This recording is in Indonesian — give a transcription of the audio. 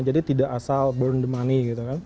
jadi tidak asal burn the money gitu kan